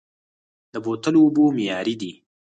د بوتلو اوبه معیاري دي؟